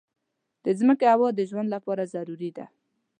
د مځکې هوا د ژوند لپاره ضروري ده.